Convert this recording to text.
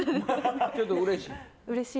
ちょっと嬉しい？